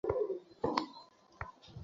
ঘর থেকে কিছু পিছিয়ে দেন।